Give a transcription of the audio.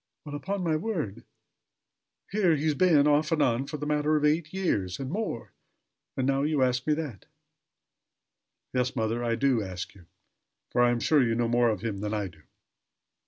"Well! upon my word! Here he's been, off and on, for the matter of eight years and more; and now you ask me that!" "Yes, mother, I do ask you; for I am sure you know more of him than I do."